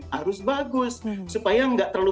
harus bagus supaya nggak terlalu